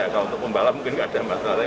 kalau untuk pembalap mungkin nggak ada masalah